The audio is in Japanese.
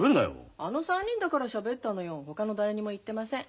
あの３人だからしゃべったのよほかの誰にも言ってません。